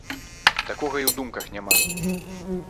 Такога і ў думках няма.